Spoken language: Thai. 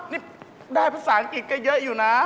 นี่ได้ภาษาอังกฤษก็เยอะอยู่นะ